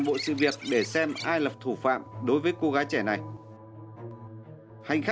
mọi việc có vẻ rất bình thường như mọi khi